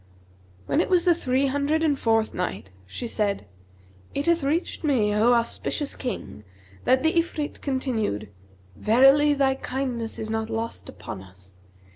When it was the Three Hundred and fourth Night, She said, It hath reached me, O auspicious King, that the Ifrit continued, "'Verily thy kindness is not lost upon us.'